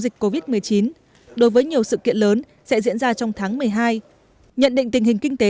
dịch covid một mươi chín đối với nhiều sự kiện lớn sẽ diễn ra trong tháng một mươi hai nhận định tình hình kinh tế